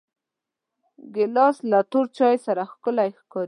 ګیلاس له تور چای سره ښکلی کېږي.